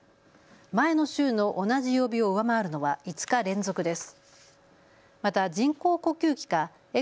前の週の同じ曜日を上回るのは５日連続です。